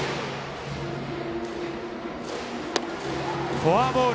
フォアボール。